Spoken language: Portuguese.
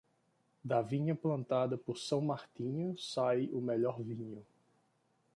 Da vinha plantada por São Martinho, sai o melhor vinho.